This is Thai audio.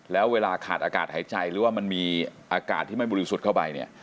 แล้วเวลาขาดอากาศหายใจหรือว่ามันมีอากาศที่ไม่บริสุทธิ์เข้าไปเนี่ย